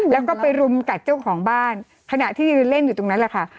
แล้วก็ไปรุมกัดเจ้าของบ้านขณะที่ยืนเล่นอยู่ตรงนั้นแหละค่ะ